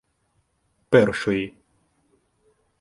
Першої